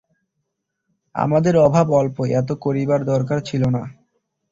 আমাদের অভাব অল্পই, এত করিবার দরকার ছিল না।